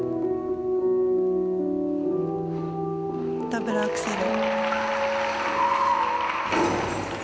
ダブルアクセル。